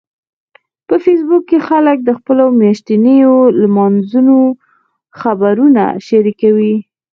په فېسبوک کې خلک د خپلو میاشتنيو لمانځنو خبرونه شریکوي